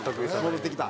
戻ってきた。